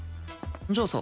じゃあさ